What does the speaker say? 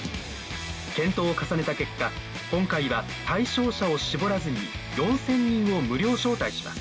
検討を重ねた結果今回は対象者を絞らずに４，０００人を無料招待します。